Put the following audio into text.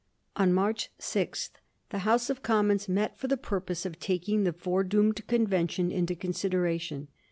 On March 6th the House of Commons met for the pur pose of taking the foredoomed convention into considera tion.